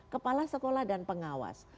kepala sekolah dan pengawas